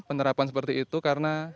penerapan seperti itu karena